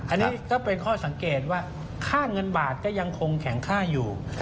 อันนี้ก็เป็นข้อสังเกตว่าค่าเงินบาทก็ยังคงแข็งค่าอยู่